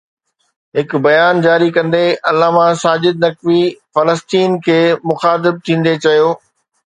هڪ بيان جاري ڪندي علامه ساجد نقوي فلسطينين کي مخاطب ٿيندي چيو